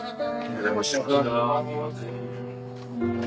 お邪魔してます。